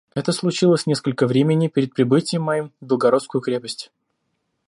Это случилось несколько времени перед прибытием моим в Белогорскую крепость.